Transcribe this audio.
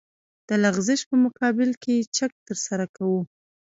د لغزش په مقابل کې چک ترسره کوو